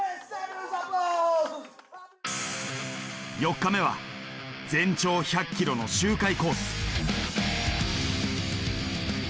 ４日目は全長１００ｋｍの周回コース。